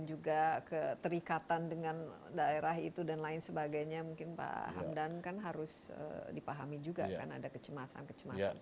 dan juga keterikatan dengan daerah itu dan lain sebagainya mungkin pak hamdan kan harus dipahami juga kan ada kecemasan kecemasan seperti itu